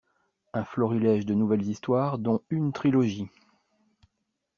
Un florilège de nouvelles histoires dont une trilogie.